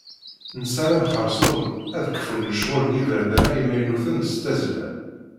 Nessaram xersum, ad kfun lecɣal n yiberdan-a imaynuten s tazzla.